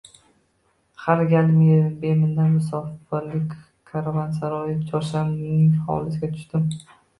Har gal beminnat “ Mussofirlar karvonsaroyi” Chorshamning hovlisiga tushdim.